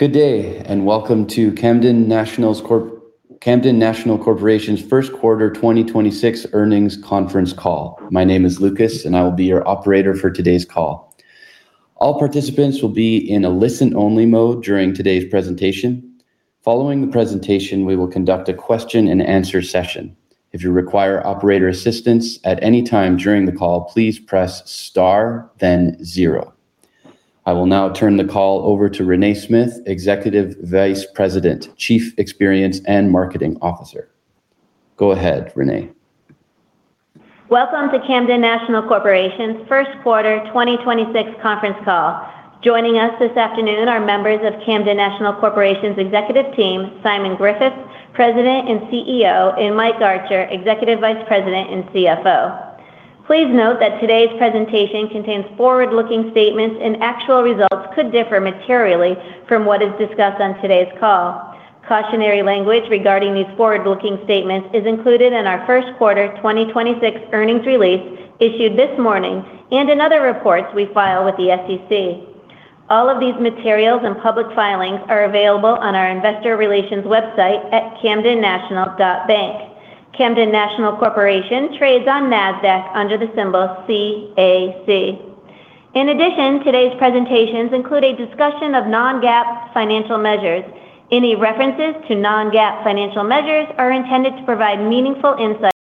Good day, welcome to Camden National Corporation's first quarter 2026 earnings conference call. My name is Lucas, I will be your operator for today's call. All participants will be in a listen-only mode during today's presentation. Following the presentation, we will conduct a question and answer session. If you require operator assistance at any time during the call, please press star then zero. I will now turn the call over to Renee Smyth, Executive Vice President, Chief Experience and Marketing Officer. Go ahead, Renee. Welcome to Camden National Corporation's first quarter 2026 conference call. Joining us this afternoon are members of Camden National Corporation's executive team, Simon Griffiths, President and CEO, and Michael Archer, Executive Vice President and CFO. Please note that today's presentation contains forward-looking statements. Actual results could differ materially from what is discussed on today's call. Cautionary language regarding these forward-looking statements is included in our first quarter 2026 earnings release issued this morning and in other reports we file with the SEC. All of these materials and public filings are available on our investor relations website at camdennational.bank. Camden National Corporation trades on NASDAQ under the symbol CAC. In addition, today's presentations include a discussion of non-GAAP financial measures. Any references to non-GAAP financial measures are intended to provide meaningful insights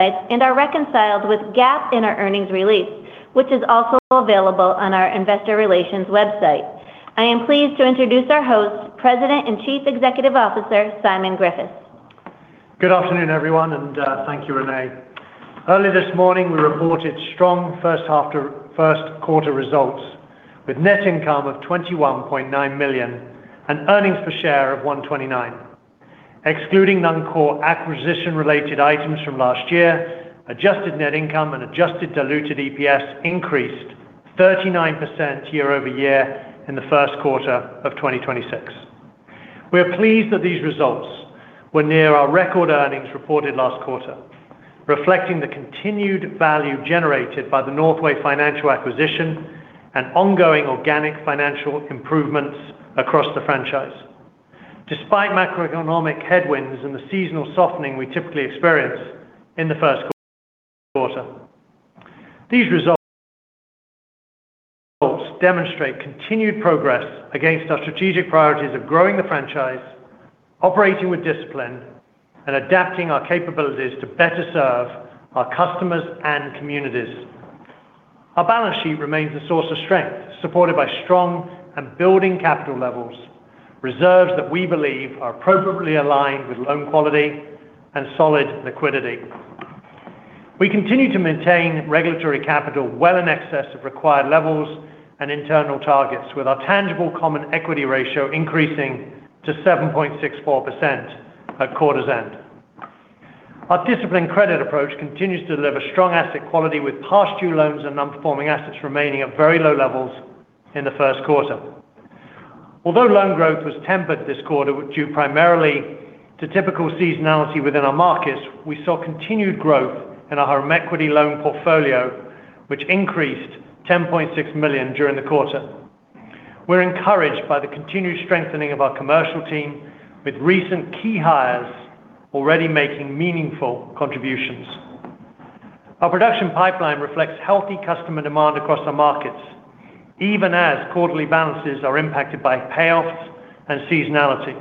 and are reconciled with GAAP in our earnings release, which is also available on our investor relations website. I am pleased to introduce our host, President and Chief Executive Officer, Simon Griffiths. Good afternoon, everyone, and thank you, Renee. Early this morning, we reported strong first quarter results with net income of $21.9 million and earnings per share of $1.29. Excluding non-core acquisition-related items from last year, adjusted net income and adjusted diluted EPS increased 39% year-over-year in the first quarter of 2026. We are pleased that these results were near our record earnings reported last quarter, reflecting the continued value generated by the Northway Financial acquisition and ongoing organic financial improvements across the franchise. Despite macroeconomic headwinds and the seasonal softening we typically experience in the first quarter. These results demonstrate continued progress against our strategic priorities of growing the franchise, operating with discipline, and adapting our capabilities to better serve our customers and communities. Our balance sheet remains a source of strength, supported by strong and building capital levels, reserves that we believe are appropriately aligned with loan quality and solid liquidity. We continue to maintain regulatory capital well in excess of required levels and internal targets, with our tangible common equity ratio increasing to 7.64% at quarter's end. Our disciplined credit approach continues to deliver strong asset quality, with past due loans and non-performing assets remaining at very low levels in the first quarter. Although loan growth was tempered this quarter due primarily to typical seasonality within our markets, we saw continued growth in our home equity loan portfolio, which increased $10.6 million during the quarter. We're encouraged by the continued strengthening of our commercial team, with recent key hires already making meaningful contributions. Our production pipeline reflects healthy customer demand across our markets, even as quarterly balances are impacted by payoffs and seasonality.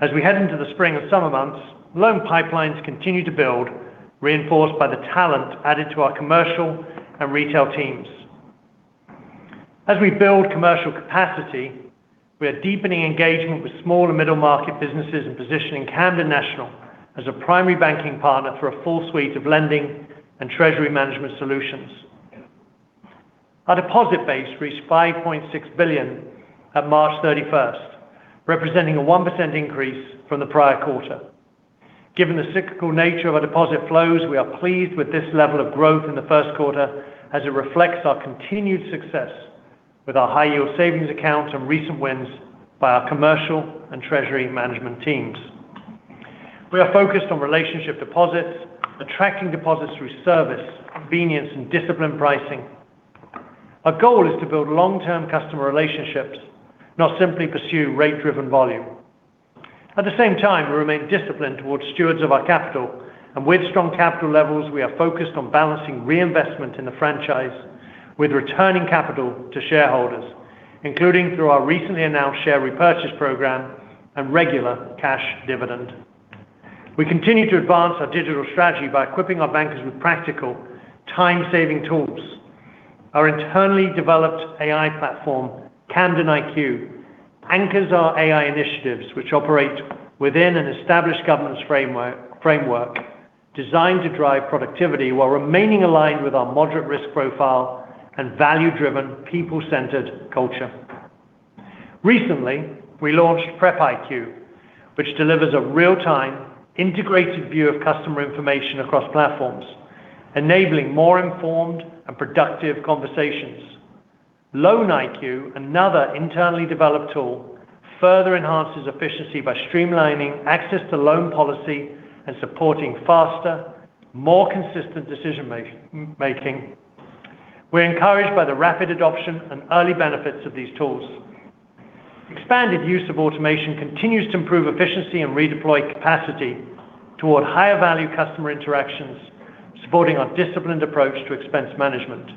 As we head into the spring and summer months, loan pipelines continue to build, reinforced by the talent added to our commercial and retail teams. As we build commercial capacity, we are deepening engagement with small and middle market businesses and positioning Camden National as a primary banking partner for a full suite of lending and treasury management solutions. Our deposit base reached $5.6 billion at March 31st, representing a 1% increase from the prior quarter. Given the cyclical nature of our deposit flows, we are pleased with this level of growth in the first quarter as it reflects our continued success with our high-yield savings accounts and recent wins by our commercial and treasury management teams. We are focused on relationship deposits, attracting deposits through service, convenience, and disciplined pricing. Our goal is to build long-term customer relationships, not simply pursue rate-driven volume. At the same time, we remain disciplined towards stewards of our capital, and with strong capital levels, we are focused on balancing reinvestment in the franchise with returning capital to shareholders, including through our recently announced share repurchase program and regular cash dividend. We continue to advance our digital strategy by equipping our bankers with practical time-saving tools. Our internally developed AI platform, Camden IQ, anchors our AI initiatives, which operate within an established governance framework designed to drive productivity while remaining aligned with our moderate risk profile and value-driven, people-centered culture. Recently, we launched Prep IQ, which delivers a real-time integrated view of customer information across platforms, enabling more informed and productive conversations. Loan IQ, another internally developed tool, further enhances efficiency by streamlining access to loan policy and supporting faster, more consistent decision making. We're encouraged by the rapid adoption and early benefits of these tools. Expanded use of automation continues to improve efficiency and redeploy capacity toward higher value customer interactions, supporting our disciplined approach to expense management.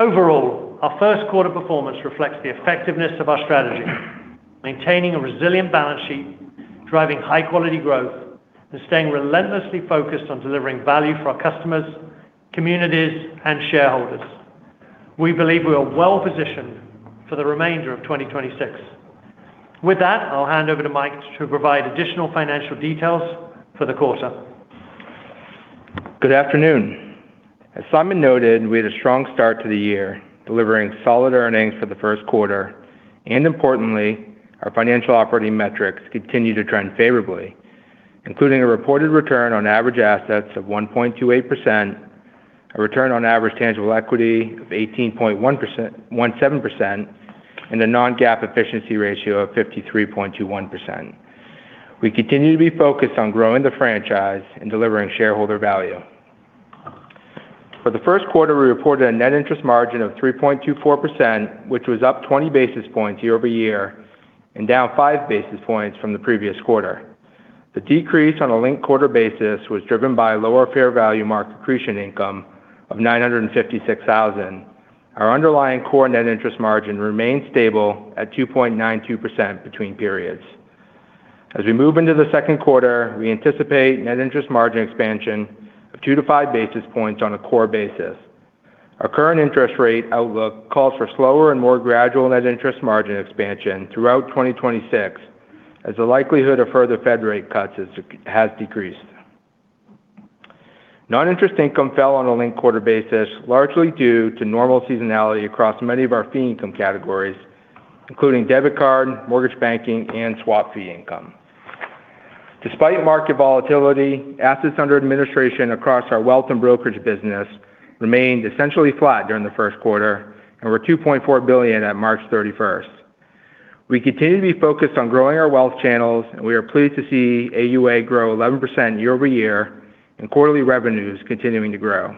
Overall, our first quarter performance reflects the effectiveness of our strategy, maintaining a resilient balance sheet, driving high-quality growth, and staying relentlessly focused on delivering value for our customers, communities, and shareholders. We believe we are well-positioned for the remainder of 2026. With that, I'll hand over to Mike to provide additional financial details for the quarter. Good afternoon. As Simon noted, we had a strong start to the year, delivering solid earnings for the first quarter, and importantly, our financial operating metrics continue to trend favorably, including a reported Return on Average Assets of 1.28%, a Return on Average Tangible Equity of 18.17%, and a Non-GAAP Efficiency Ratio of 53.21%. We continue to be focused on growing the franchise and delivering shareholder value. For the first quarter, we reported a net interest margin of 3.24%, which was up 20 basis points year-over-year and down five basis points from the previous quarter. The decrease on a linked quarter basis was driven by lower fair value mark-to-accretion income of $956,000. Our underlying core net interest margin remained stable at 2.92% between periods. As we move into the second quarter, we anticipate net interest margin expansion of two to five basis points on a core basis. Our current interest rate outlook calls for slower and more gradual net interest margin expansion throughout 2026 as the likelihood of further Fed rate cuts has decreased. Non-interest income fell on a linked quarter basis, largely due to normal seasonality across many of our fee income categories, including debit card, mortgage banking, and swap fee income. Despite market volatility, Assets Under Administration across our wealth and brokerage business remained essentially flat during the first quarter and were $2.4 billion at March 31st. We continue to be focused on growing our wealth channels, and we are pleased to see AUA grow 11% year-over-year and quarterly revenues continuing to grow.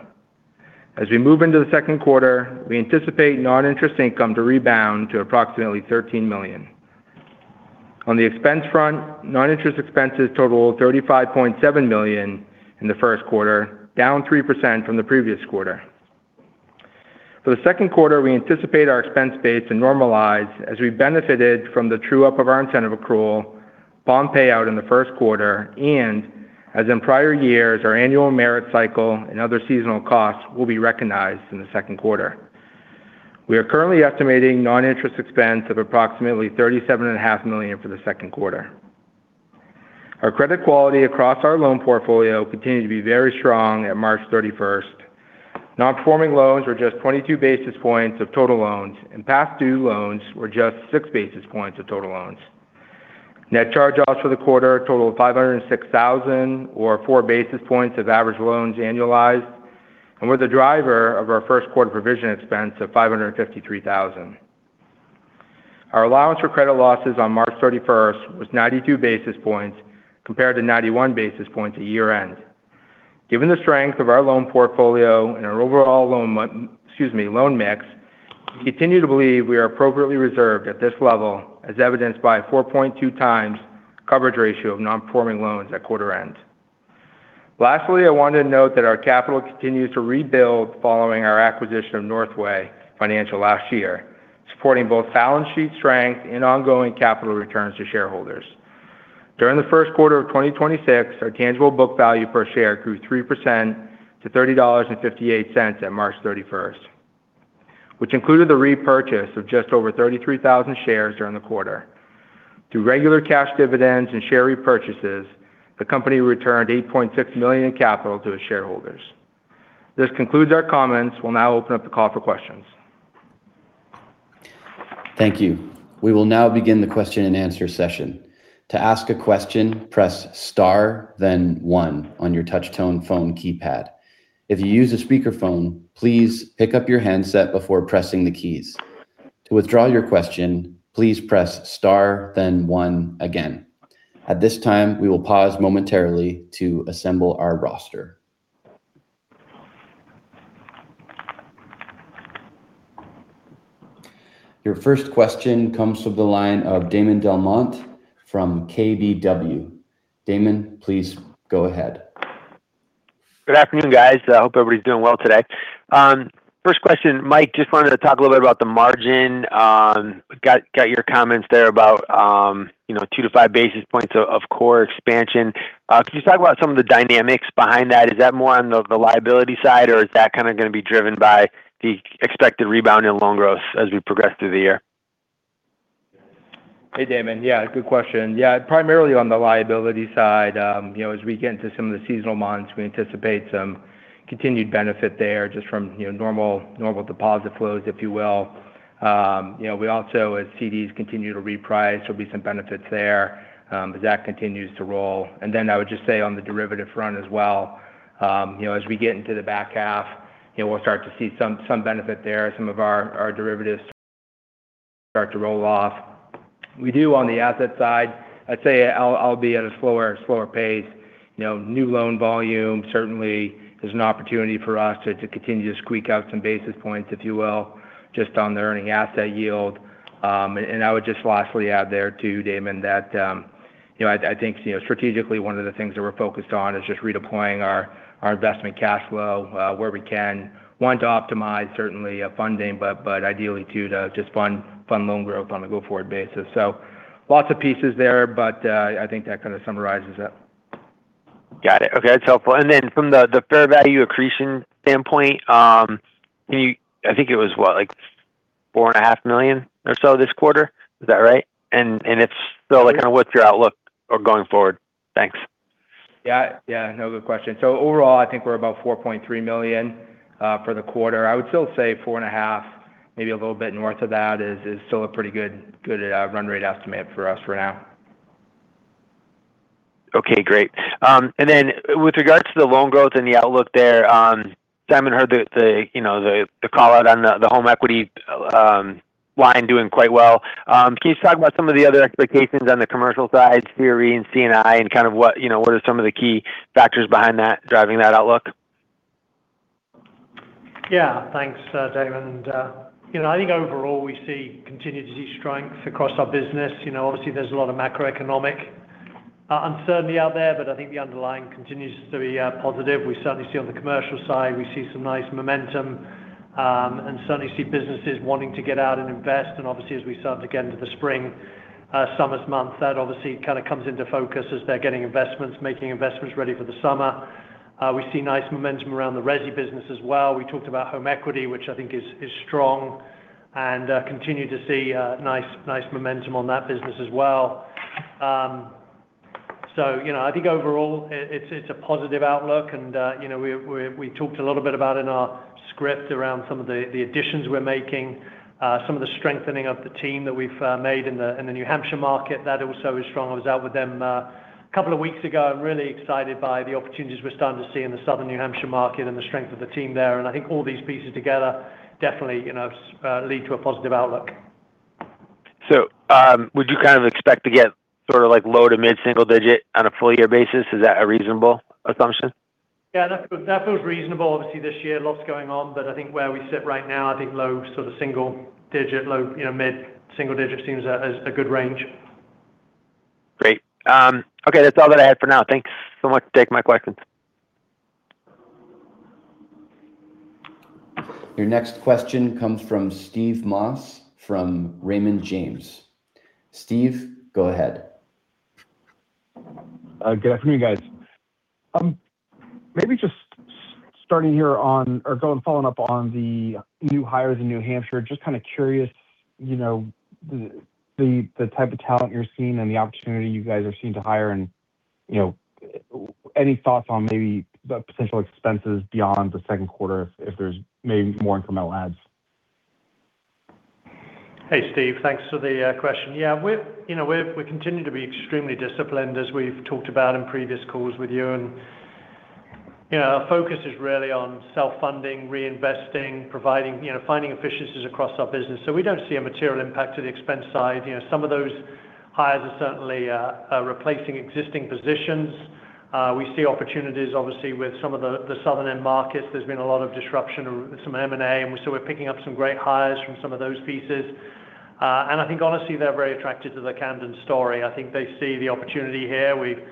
As we move into the second quarter, we anticipate non-interest income to rebound to approximately $13 million. On the expense front, non-interest expenses totaled $35.7 million in the first quarter, down 3% from the previous quarter. For the second quarter, we anticipate our expense base to normalize as we benefited from the true up of our incentive accrual bond payout in the first quarter and as in prior years, our annual merit cycle and other seasonal costs will be recognized in the second quarter. We are currently estimating non-interest expense of approximately $37.5 million for the second quarter. Our credit quality across our loan portfolio continued to be very strong at March 31st. Non-performing loans were just 22 basis points of total loans, and past due loans were just 6 basis points of total loans. Net charge-offs for the quarter totaled $506,000 or four basis points of average loans annualized, and were the driver of our first quarter provision expense of $553,000. Our allowance for credit losses on March 31st was 92 basis points compared to 91 basis points at year-end. Given the strength of our loan portfolio and our overall loan mix, we continue to believe we are appropriately reserved at this level as evidenced by 4.2 times coverage ratio of non-performing loans at quarter end. Lastly, I wanted to note that our capital continues to rebuild following our acquisition of Northway Financial last year, supporting both balance sheet strength and ongoing capital returns to shareholders. During the first quarter of 2026, our Tangible Book Value Per Share grew 3% to $30.58 at March 31st, which included the repurchase of just over 33,000 shares during the quarter. Through regular cash dividends and share repurchases, the company returned $8.6 million in capital to its shareholders. This concludes our comments. We'll now open up the call for questions. Thank you. We will now begin the question and answer session to ask a question press star then one on your touch-tone phone keypad. I f you use a speaker phone please pick up your handset before pressing the keys. To withdraw your question please press star then one again. At this time we'll pause momentarily to assemble our roster. Your first question comes from the line of Damon DelMonte from KBW. Damon, please go ahead. Good afternoon, guys. I hope everybody's doing well today. First question, Michael Archer, just wanted to talk a little bit about the margin. Got your comments there about, you know, two to five basis points of core expansion. Can you just talk about some of the dynamics behind that? Is that more on the liability side or is that kind of going to be driven by the expected rebound in loan growth as we progress through the year? Hey, Damon. Yeah, good question. Yeah, primarily on the liability side. You know, as we get into some of the seasonal months, we anticipate some continued benefit there just from, you know, normal deposit flows, if you will. You know, we also, as CDs continue to reprice, there'll be some benefits there as that continues to roll. Then I would just say on the derivative front as well, you know, as we get into the back half, you know, we'll start to see some benefit there. Some of our derivatives start to roll off. We do on the asset side, I'd say I'll be at a slower pace. You know, new loan volume certainly is an opportunity for us to continue to squeak out some basis points, if you will, just on the earning asset yield. I would just lastly add there too, Damon, that, you know, I think, you know, strategically one of the things that we're focused on is just redeploying our investment cash flow, where we can. One, to optimize certainly, funding, but ideally two, to just fund loan growth on a go-forward basis. Lots of pieces there, but, I think that kind of summarizes it. Got it. Okay. That's helpful. Then from the fair value accretion standpoint, I think it was what? Like $4.5 million or so this quarter? Is that right? It's still like- Yeah kind of, what's your outlook or going forward? Thanks. Yeah, yeah, no, good question. Overall, I think we're about $4.3 million for the quarter. I would still say four and a half, maybe a little bit north of that is still a pretty good run rate estimate for us for now. Okay, great. With regards to the loan growth and the outlook there, Simon heard the, you know, the call out on the home equity line doing quite well. Can you just talk about some of the other expectations on the commercial side, CRE and C&I and kind of what, you know, what are some of the key factors behind that, driving that outlook? Yeah, thanks, Damon DelMonte. You know, I think overall we see continued to see strength across our business. You know, obviously there's a lot of macroeconomic uncertainty out there, but I think the underlying continues to be positive. We certainly see on the commercial side, we see some nice momentum, and certainly see businesses wanting to get out and invest. Obviously as we start to get into the spring, summer's month, that obviously kind of comes into focus as they're getting investments, making investments ready for the summer. We see nice momentum around the resi business as well. We talked about home equity, which I think is strong and continue to see nice momentum on that business as well. You know, I think overall it's a positive outlook. You know, we talked a little bit about in our script around some of the additions we're making, some of the strengthening of the team that we've made in the New Hampshire market, that also is strong. I was out with them a couple of weeks ago. I'm really excited by the opportunities we're starting to see in the Southern New Hampshire market and the strength of the team there. I think all these pieces together definitely, you know, lead to a positive outlook. Would you kind of expect to get sort of like low to mid-single digit on a full year basis? Is that a reasonable assumption? Yeah, that feels reasonable. Obviously this year lots going on, but I think where we sit right now, I think low sort of single-digit low, you know, mid-single-digit seems a good range. Great. That's all that I had for now. Thanks so much for taking my questions. Your next question comes from Steve Moss from Raymond James. Steve, go ahead. Good afternoon guys. Maybe just following up on the new hires in New Hampshire. Just kind of curious, you know, the type of talent you're seeing and the opportunity you guys are seeing to hire and, you know, any thoughts on maybe the potential expenses beyond the second quarter if there's maybe more incremental adds. Hey, Steve. Thanks for the question. We've, you know, we continue to be extremely disciplined as we've talked about in previous calls with you. You know, our focus is really on self-funding, reinvesting, providing, you know, finding efficiencies across our business. We don't see a material impact to the expense side. You know, some of those hires are certainly replacing existing positions. We see opportunities obviously with some of the southern end markets. There's been a lot of disruption, some M&A, we're picking up some great hires from some of those pieces. I think honestly they're very attracted to the Camden story. I think they see the opportunity here. We've,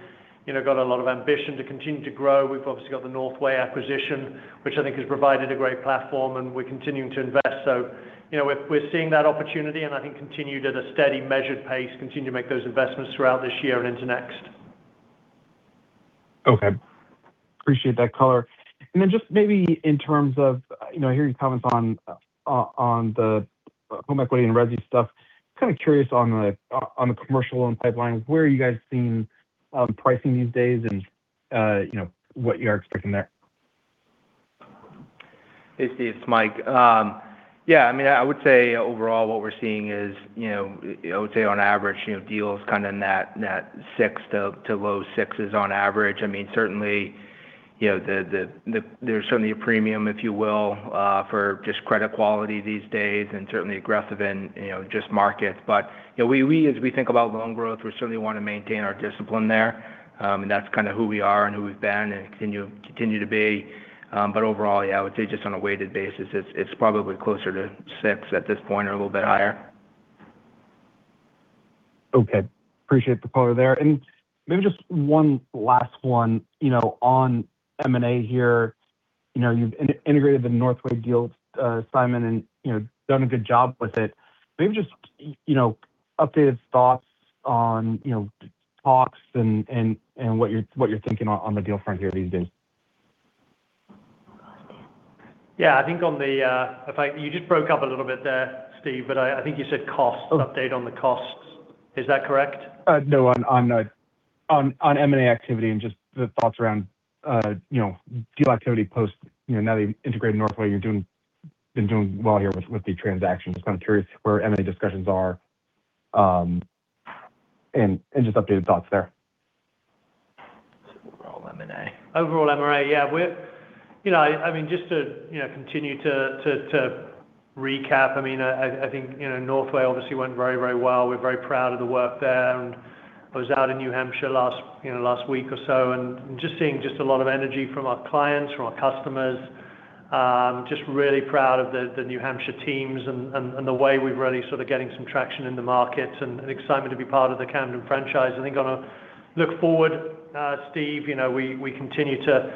you know, got a lot of ambition to continue to grow. We've obviously got the Northway acquisition, which I think has provided a great platform and we're continuing to invest. You know, we're seeing that opportunity and I think continue at a steady measured pace, continue to make those investments throughout this year and into next. Okay. Appreciate that color. Then just maybe in terms of, you know, I hear your comments on the home equity and resi stuff. Kind of curious on the commercial loan pipelines, where are you guys seeing pricing these days and, you know, what you are expecting there? Hey, Steve, it's Mike. Yeah, I mean, I would say overall what we're seeing is, you know, I would say on average, you know, deals kind of net six to low sixs on average. Certainly, you know, the there's certainly a premium, if you will, for just credit quality these days and certainly aggressive and, you know, just markets. You know, we, as we think about loan growth, we certainly want to maintain our discipline there. That's kind of who we are and who we've been and continue to be. Overall, yeah, I would say just on a weighted basis it's probably closer to six at this point or a little bit higher. Okay. Appreciate the color there. Maybe just one last one, you know, on M&A here, you know, you've in-integrated the Northway deal, Simon and, you know, done a good job with it. Maybe just, you know, updated thoughts on, you know, costs and, and what you're thinking on the deal front here these days? Yeah, I think on the, in fact you just broke up a little bit there, Steve, but I think you said costs- Oh... update on the costs, is that correct? No. On M&A activity and just the thoughts around, you know, deal activity post, you know, now that you've integrated Northway, been doing well here with the transactions, just kind of curious where M&A discussions are and just updated thoughts there? Overall MRA. You know, I mean, just to, you know, continue to recap, I mean, I think, you know, Northway Financial obviously went very, very well. We're very proud of the work there. I was out in New Hampshire last, you know, last week or so, and just seeing just a lot of energy from our clients, from our customers. Just really proud of the New Hampshire teams and the way we're really sort of getting some traction in the market and excitement to be part of the Camden franchise. I think on a look forward, Steve Moss, you know, we continue to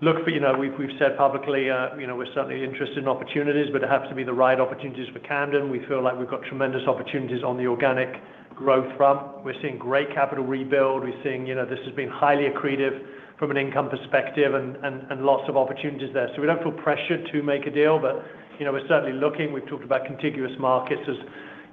look for. You know, we've said publicly, you know, we're certainly interested in opportunities, but it has to be the right opportunities for Camden. We feel like we've got tremendous opportunities on the organic growth front. We're seeing great capital rebuild. We're seeing, you know, this has been highly accretive from an income perspective and lots of opportunities there. We don't feel pressured to make a deal, but, you know, we're certainly looking. We've talked about contiguous markets as,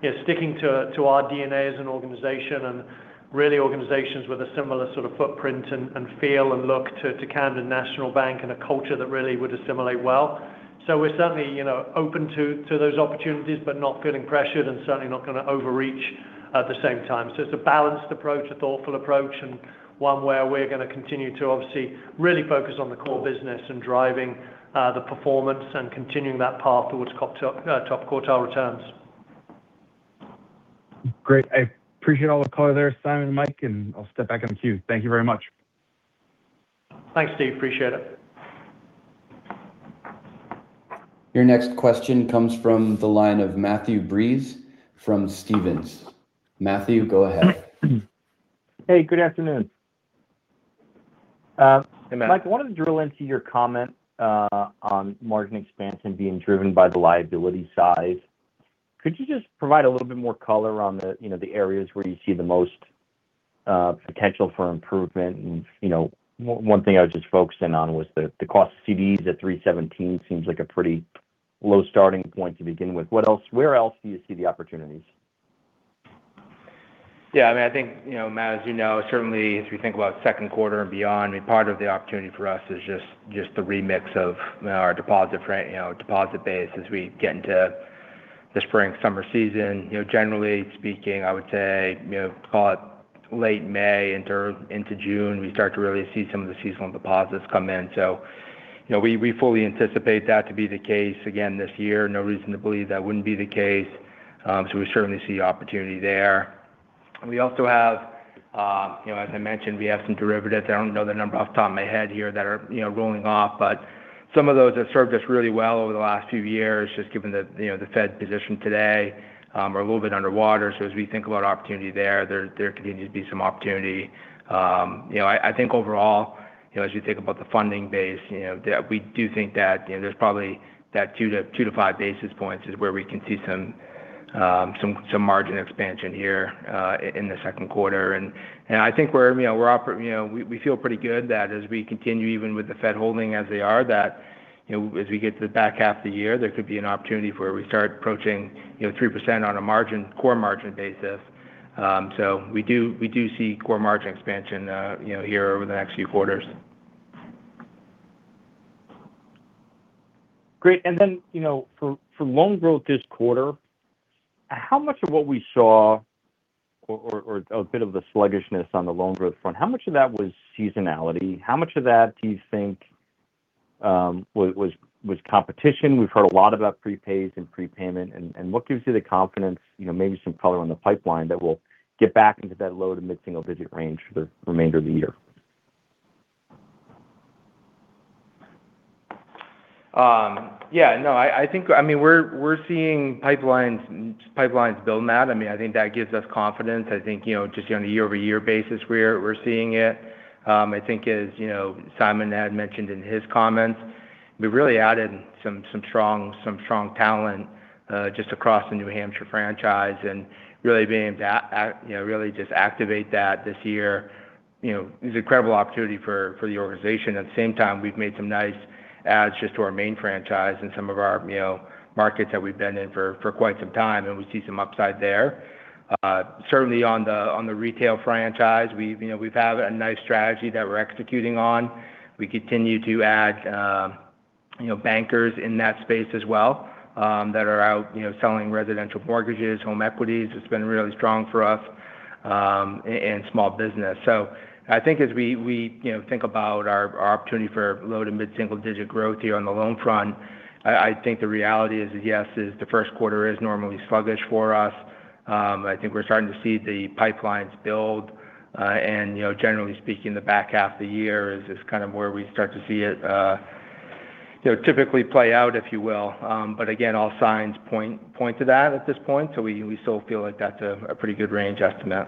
you know, sticking to our DNA as an organization and really organizations with a similar sort of footprint and feel and look to Camden National Bank and a culture that really would assimilate well. We're certainly, you know, open to those opportunities, but not feeling pressured and certainly not gonna overreach at the same time. It's a balanced approach, a thoughtful approach, and one where we're gonna continue to obviously really focus on the core business and driving the performance and continuing that path towards top quartile returns. Great. I appreciate all the color there, Simon and Mike, and I'll step back in the queue. Thank you very much. Thanks, Steve. Appreciate it. Your next question comes from the line of Matthew Breese from Stephens. Matthew, go ahead. Hey, good afternoon. Hey, Matt. Michael, wanted to drill into your comment on margin expansion being driven by the liability size. Could you just provide a little bit more color on the, you know, the areas where you see the most potential for improvement? You know, one thing I was just focusing on was the cost of CDs at $3.17 seems like a pretty low starting point to begin with. Where else do you see the opportunities? Yeah. I mean, I think, you know, Matt, as you know, certainly as we think about second quarter and beyond, I mean, part of the opportunity for us is just the remix of our deposit you know, deposit base as we get into the spring, summer season. You know, generally speaking, I would say, you know, call it late May into June, we start to really see some of the seasonal deposits come in. You know, we fully anticipate that to be the case again this year. No reason to believe that wouldn't be the case. We certainly see opportunity there. We also have, you know, as I mentioned, we have some derivatives, I don't know the number off the top of my head here, that are, you know, rolling off. Some of those have served us really well over the last few years, just given the, you know, the Fed position today, are a little bit underwater. As we think about opportunity there continues to be some opportunity. You know, I think overall, you know, as you think about the funding base, you know, we do think that, you know, there's probably that two to five basis points is where we can see some margin expansion here in the second quarter. I think we feel pretty good that as we continue even with the Federal Reserve holding as they are, that, you know, as we get to the back half of the year, there could be an opportunity where we start approaching, you know, 3% on a margin, core margin basis. We do see core margin expansion, you know, here over the next few quarters. Great. You know, for loan growth this quarter, how much of what we saw or a bit of the sluggishness on the loan growth front, how much of that was seasonality? How much of that do you think, was competition? We've heard a lot about prepays and prepayment. What gives you the confidence, you know, maybe some color on the pipeline that we'll get back into that low to mid-single digit range for the remainder of the year? Yeah, no, I think, I mean, we're seeing pipelines build, Matt. I mean, I think that gives us confidence. I think, you know, just on a year-over-year basis, we're seeing it. I think as, you know, Simon had mentioned in his comments, we really added some strong talent just across the New Hampshire franchise and really being able to, you know, really just activate that this year. You know, there's incredible opportunity for the organization. At the same time, we've made some nice adds just to our Maine franchise and some of our, you know, markets that we've been in for quite some time, and we see some upside there. Certainly on the retail franchise, we've, you know, we've had a nice strategy that we're executing on. We continue to add, you know, bankers in that space as well, that are out, you know, selling residential mortgages, home equities. It's been really strong for us, and small business. I think as we, you know, think about our opportunity for low to mid-single digit growth here on the loan front, I think the reality is, yes, is the first quarter is normally sluggish for us. I think we're starting to see the pipelines build. You know, generally speaking, the back half of the year is kind of where we start to see it, you know, typically play out, if you will. Again, all signs point to that at this point. We still feel like that's a pretty good range estimate.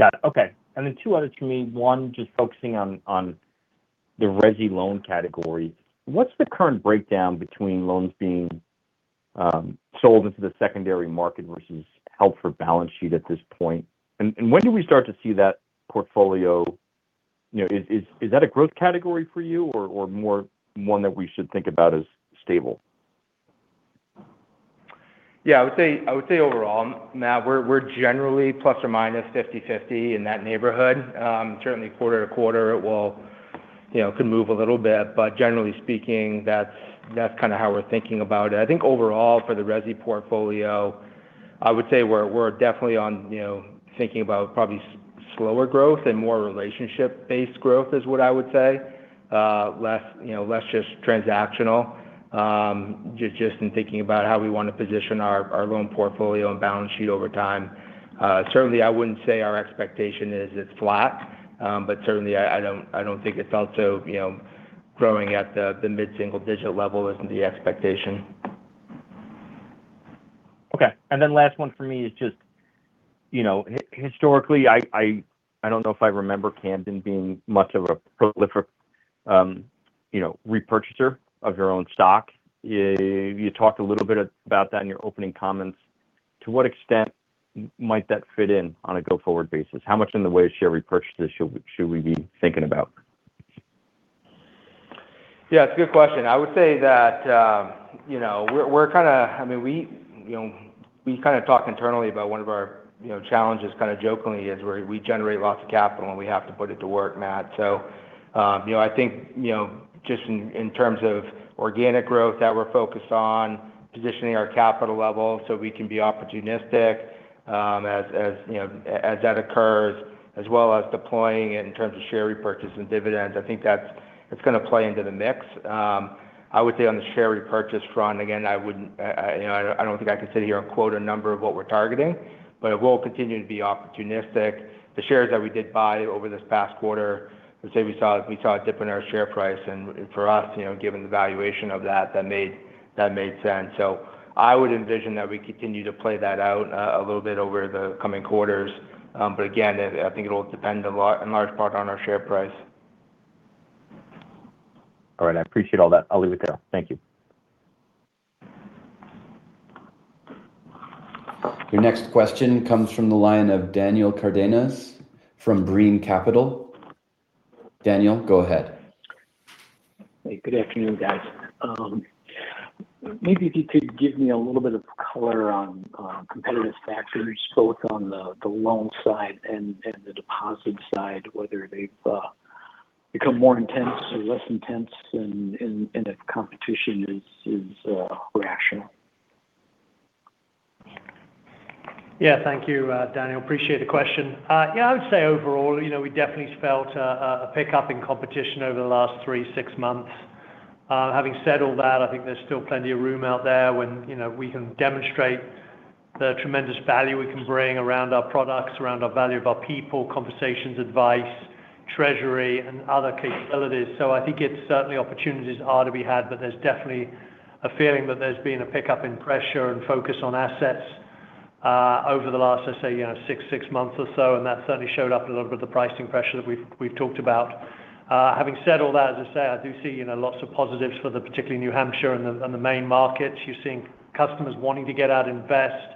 Got it. Okay. Two others from me. One, just focusing on the resi loan category. What's the current breakdown between loans being sold into the secondary market versus held for balance sheet at this point? When do we start to see that portfolio? You know, is that a growth category for you or more one that we should think about as stable? Yeah, I would say overall, Matthew, we're generally ±50/50 in that neighborhood. Certainly quarter to quarter it will, you know, could move a little bit, but generally speaking, that's kind of how we're thinking about it. I think overall for the resi portfolio, I would say we're definitely on, you know, thinking about probably slower growth and more relationship-based growth is what I would say. Less, you know, less just transactional, just in thinking about how we want to position our loan portfolio and balance sheet over time. Certainly I wouldn't say our expectation is it's flat. Certainly I don't think it's also, you know, growing at the mid-single-digit level isn't the expectation. Okay. Last one for me is just, you know, historically, I don't know if I remember Camden being much of a prolific, you know, repurchaser of your own stock. You talked a little bit about that in your opening comments. To what extent might that fit in on a go-forward basis? How much in the way of share repurchases should we be thinking about? Yeah, it's a good question. I would say that, you know, I mean, we, you know, we kind of talk internally about one of our, you know, challenges kind of jokingly is where we generate lots of capital, and we have to put it to work, Matt. I think, you know, just in terms of organic growth that we're focused on positioning our capital level so we can be opportunistic, as, you know, as that occurs, as well as deploying it in terms of share repurchase and dividends. I think it's gonna play into the mix. I would say on the share repurchase front, again, you know, I don't think I could sit here and quote a number of what we're targeting. It will continue to be opportunistic. The shares that we did buy over this past quarter, I would say we saw a dip in our share price. For us, you know, given the valuation of that made sense. I would envision that we continue to play that out, a little bit over the coming quarters. Again, I think it'll depend in large part on our share price. All right. I appreciate all that. I'll leave it there. Thank you. Your next question comes from the line of Daniel Cardenas from Brean Capital. Daniel, go ahead. Hey, good afternoon, guys. Maybe if you could give me a little bit of color on competitive factors, both on the loan side and the deposit side, whether they've become more intense or less intense and if competition is rational? Yeah. Thank you, Daniel. Appreciate the question. Yeah, I would say overall, you know, we definitely felt a pickup in competition over the last three, six months. Having said all that, I think there's still plenty of room out there when, you know, we can demonstrate the tremendous value we can bring around our products, around our value of our people, conversations, advice, treasury, and other capabilities. I think it's certainly opportunities are to be had, but there's definitely a feeling that there's been a pickup in pressure and focus on assets over the last, let's say, you know, six months or so. That certainly showed up in a little bit of the pricing pressure that we've talked about. Having said all that, as I say, I do see, you know, lots of positives for the particularly New Hampshire and the Maine markets. You're seeing customers wanting to get out and invest,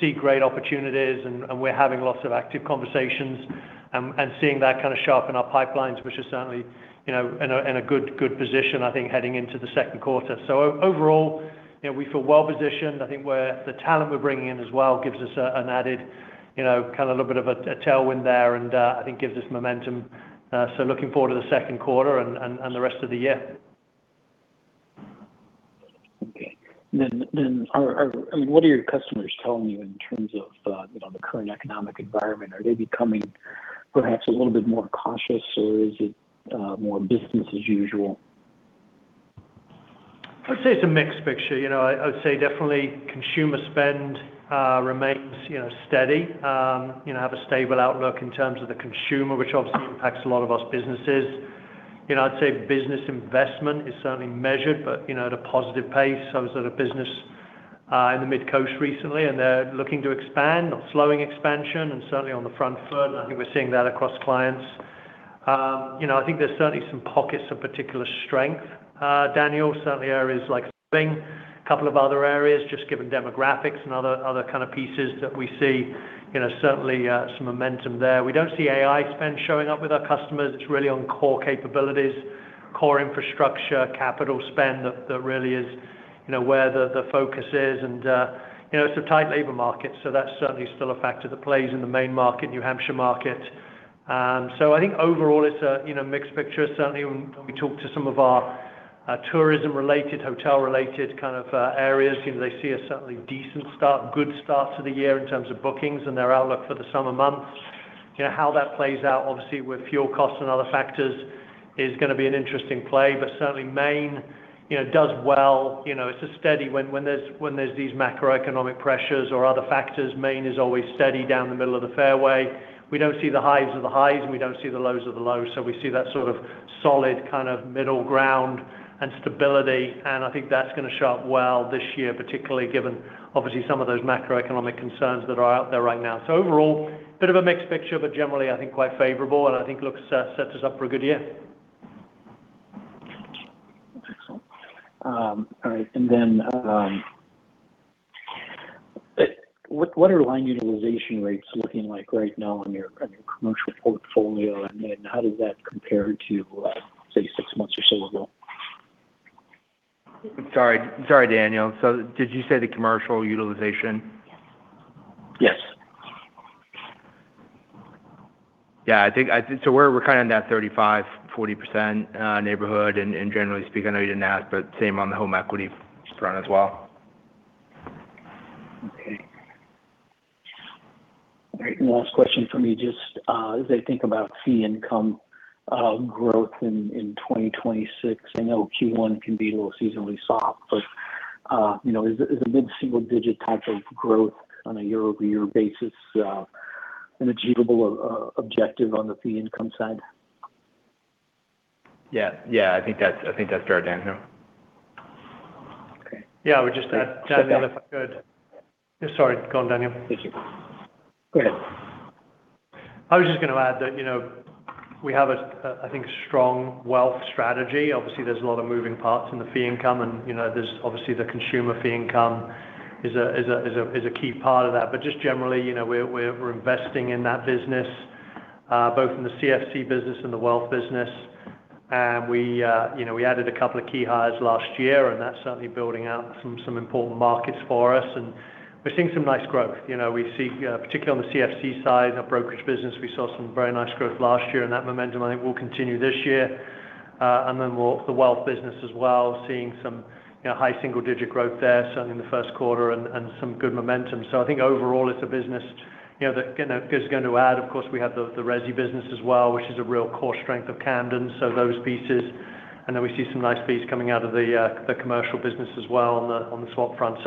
see great opportunities, we're having lots of active conversations, and seeing that kind of sharpen our pipelines, which is certainly, you know, in a good position, I think, heading into the second quarter. Overall, you know, we feel well-positioned. I think the talent we're bringing in as well gives us an added, you know, kind of a little bit of a tailwind there, and I think gives us momentum. Looking forward to the second quarter and the rest of the year. Okay. What are your customers telling you in terms of, you know, the current economic environment? Are they becoming perhaps a little bit more cautious, or is it more business as usual? I'd say it's a mixed picture. You know, I would say definitely consumer spend remains, you know, steady. You know, have a stable outlook in terms of the consumer, which obviously impacts a lot of U.S. businesses. You know, I'd say business investment is certainly measured, you know, at a positive pace. I was at a business in the Mid-Coast recently, they're looking to expand, not slowing expansion, certainly on the front foot. I think we're seeing that across clients. You know, I think there's certainly some pockets of particular strength, Daniel. Certainly areas like a couple of other areas, just given demographics and other kind of pieces that we see, you know, certainly some momentum there. We don't see AI spend showing up with our customers. It's really on core capabilities, core infrastructure, capital spend that really is, you know, where the focus is. You know, it's a tight labor market, so that's certainly still a factor that plays in the Maine market, New Hampshire market. I think overall it's a, you know, mixed picture. Certainly when we talk to some of our tourism-related, hotel-related kind of areas, you know, they see a certainly decent start, good start to the year in terms of bookings and their outlook for the summer months. You know, how that plays out obviously with fuel costs and other factors is gonna be an interesting play. Certainly Maine, you know, does well. You know, it's a steady when there's these macroeconomic pressures or other factors, Maine is always steady down the middle of the fairway. We don't see the highs of the highs, and we don't see the lows of the lows. We see that sort of solid kind of middle ground and stability, and I think that's gonna show up well this year, particularly given obviously some of those macroeconomic concerns that are out there right now. Overall, bit of a mixed picture, but generally I think quite favorable and I think looks sets us up for a good year. Excellent. All right. What are line utilization rates looking like right now on your commercial portfolio? How does that compare to, say, six months or so ago? Sorry, Daniel. Did you say the commercial utilization? Yes. Yeah, I think, we're kind of in that 35%-40% neighborhood in generally speaking. I know you didn't ask, but same on the home equity front as well. Okay. All right. Last question from me, just, as I think about fee income growth in 2026, I know Q1 can be a little seasonally soft. You know, is a mid-single digit type of growth on a year-over-year basis, an achievable objective on the fee income side? Yeah, yeah. I think that's, I think that's fair, Daniel. Okay. Yeah. I would just add, Daniel, if I could. Sorry, go on, Daniel. Thank you. Go ahead. I was just gonna add that, you know, we have a, I think, strong wealth strategy. Obviously, there's a lot of moving parts in the fee income, and, you know, there's obviously the consumer fee income is a key part of that. Just generally, you know, we're investing in that business, both in the CFC business and the wealth business. We, you know, we added a couple of key hires last year, and that's certainly building out some important markets for us. We're seeing some nice growth. You know, we see, particularly on the CFC side, our brokerage business, we saw some very nice growth last year, and that momentum I think will continue this year. The wealth business as well, seeing some, you know, high single-digit growth there certainly in the first quarter and some good momentum. I think overall it's a business, you know, that, you know, is going to add. Of course, we have the resi business as well, which is a real core strength of Camden. Those pieces. We see some nice fees coming out of the commercial business as well on the swap front.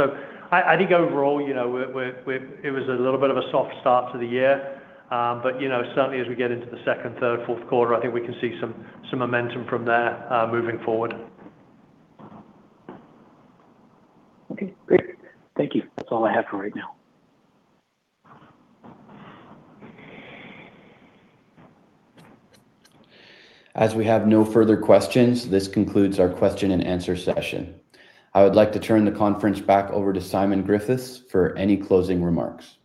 I think overall, you know, it was a little bit of a soft start to the year. You know, certainly as we get into the second, third, fourth quarter, I think we can see some momentum from there moving forward. Okay, great. Thank you. That's all I have for right now. As we have no further questions, this concludes our question and answer session. I would like to turn the conference back over to Simon Griffiths for any closing remarks.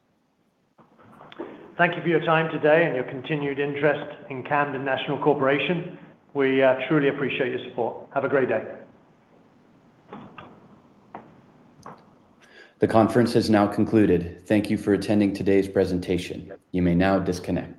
Thank you for your time today and your continued interest in Camden National Corporation. We truly appreciate your support. Have a great day. The conference has now concluded. Thank you for attending today's presentation. You may now disconnect.